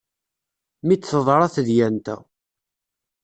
Mi d-teḍra tedyant-a.